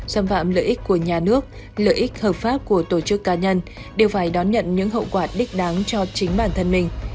xâm phạm lợi ích của nhà nước lợi ích hợp pháp của tổ chức cá nhân đều phải đón nhận những hậu quả đích đáng cho chính bản thân mình